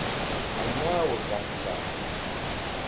Á yãã wo jag ga.